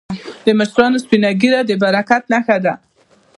د مشرانو سپینه ږیره د برکت نښه ده.